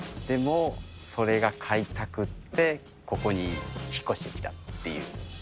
でも、それが飼いたくって、ここに引っ越してきたっていう。